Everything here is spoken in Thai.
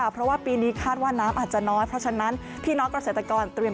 เพราะว่าปีนี้คาดว่าน้ำอาจจะน้อย